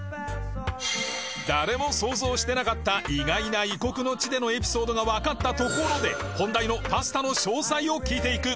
誰も想像してなかった意外な異国の地でのエピソードがわかったところで本題のパスタの詳細を聞いていく